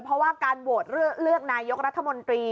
เพราะว่าการโหวตเลือกนายกรัฐมนตรี